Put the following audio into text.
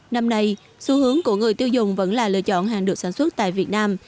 năm nay xu hướng của người tiêu dùng vẫn là lựa chọn hàng được sản xuất tại việt nam